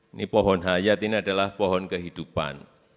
ini pohon hayat ini adalah pohon kehidupan